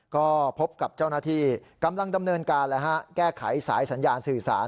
ก็พบกับเจ้าหน้าที่กำลังดำเนินการแก้ไขสายสัญญาณสื่อสาร